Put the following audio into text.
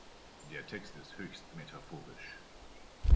Der Text ist höchst metaphorisch.